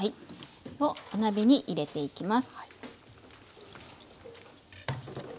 お鍋に入れていきます。